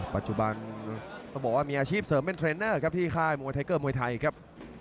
ปัจจุบันต้องบอกว่ามีอาชีพเสริมเป็นเทรนเนอร์ครับที่ค่ายมวยไทเกอร์มวยไทยครับ